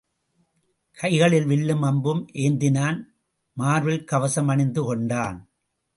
கைகளில் வில்லும் அம்பும் ஏந்தினான் மார்பில் கவசம் அணிந்து கொண்டான்.